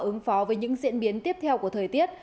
ứng phó với những diễn biến tiếp theo của thời tiết